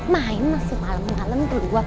main masih malem malem